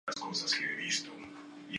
Por el cuerno apical de las silicuas.